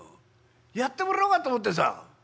やってもらおうかと思ってさ」。